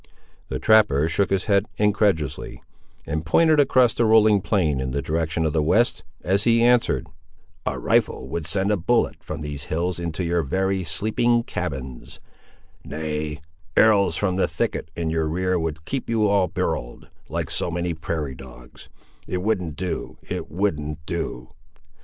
The trapper shook his head incredulously, and pointed across the rolling plain in the direction of the west, as he answered— "A rifle would send a bullet from these hills into your very sleeping cabins; nay, arrows from the thicket in your rear would keep you all burrowed, like so many prairie dogs: it wouldn't do, it wouldn't do.